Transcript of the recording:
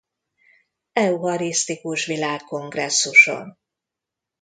Eucharisztikus világkongresszuson.